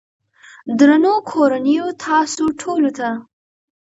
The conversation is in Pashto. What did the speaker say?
درنو کورنيو تاسو ټولو ته